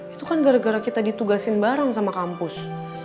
itu kan gara gara kita ditugasin bareng sama kampus